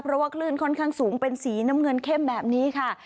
เพราะว่าคลื่นค่อนข้างสูงเป็นสีน้ำเงินเข้มแบบนี้ค่ะ